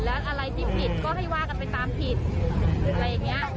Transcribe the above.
แล้วอะไรที่ผิดก็ให้ว่ากันไปตามผิดอะไรอย่างนี้